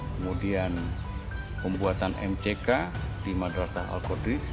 kemudian pembuatan mck di madrasah alkodris